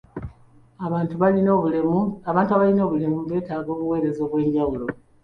Abantu abalina obulemu beetaaga obuweereza obw'enjawulo.